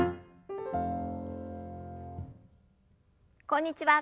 こんにちは